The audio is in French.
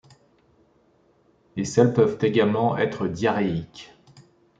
Les selles peuvent également être diarrhéiques.